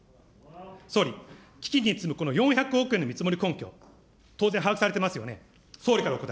総理、基金に積むこの４００億円の見積もり根拠、当然把握されてますよ